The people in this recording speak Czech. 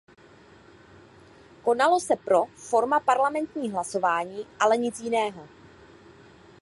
Konalo se pro forma parlamentní hlasování, ale nic jiného.